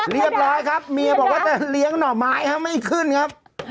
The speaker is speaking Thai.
เรียบร้อยครับเมียบอกว่าจะเลี้ยงหน่อไม้ไม่ขึ้นครับ